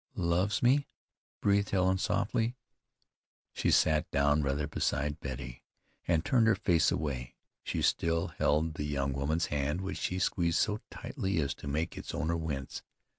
"Loves me!" breathed Helen softly. She sat down rather beside Betty, and turned her face away. She still held the young woman's hand which she squeezed so tightly as to make its owner wince.